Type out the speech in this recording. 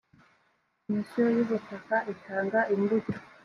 komisiyo y’ ubutaka itanga imbuto.